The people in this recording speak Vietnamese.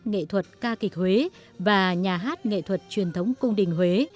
nghệ thuật ca kịch huế và nhà hát nghệ thuật truyền thống cung đình huế